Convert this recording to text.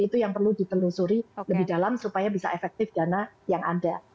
itu yang perlu ditelusuri lebih dalam supaya bisa efektif dana yang ada